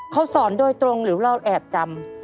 เขาสอนโดยตรงหรือเราแอบจำ